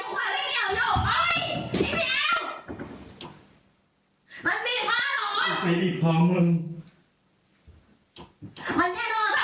โว้ยไม่เล่นสินะ